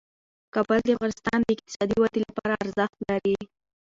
کابل د افغانستان د اقتصادي ودې لپاره ارزښت لري.